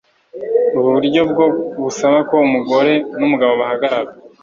ubu buryo bwo busaba ko umugore n'umugabo bahagarara